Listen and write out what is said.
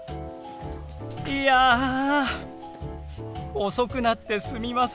いや遅くなってすみません！